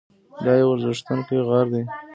دا یو اورښیندونکی غر دی.